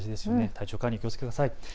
体調管理に気をつけてください。